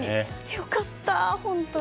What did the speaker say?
良かった、本当に。